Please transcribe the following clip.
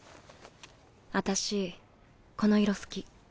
私この色好き。